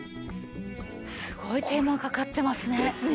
すごい手間かかってますね。